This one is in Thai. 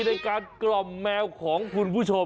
ในการกล่อมแมวของคุณผู้ชม